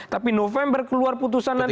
tapi november keluar putusan nanti